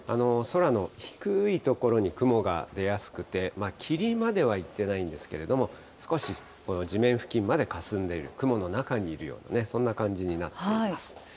空の低い所に雲が出やすくて、霧まではいってないんですけれども、少しこの地面付近までかすんでいる、雲の中にいるような、そんな感じになっています。